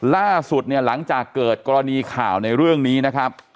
ล่าสุดเนี่ยหลังจากเกิดกรณีข่าวในเรื่องนี้นะครับ